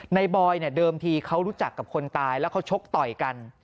บอยเนี่ยเดิมทีเขารู้จักกับคนตายแล้วเขาชกต่อยกัน